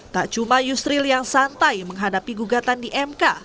tak cuma yusril yang santai menghadapi gugatan di mk